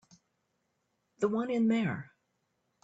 The one in there.